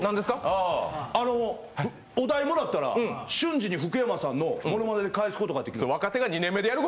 お題もらったら、瞬時に福山さんのものまねで返すことができる。